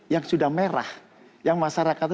yang sudah merah yang masyarakatnya